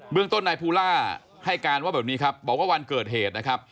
เรื่องต้นนายภูล่าให้การว่าแบบนี้ครับบอกว่าวันเกิดเหตุนะครับ